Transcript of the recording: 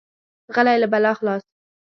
غلی، له بلا خلاص.